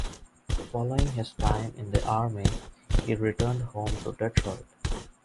Following his time in the Army, he returned home to Detroit.